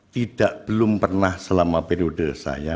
tidak belum pernah selama periode saya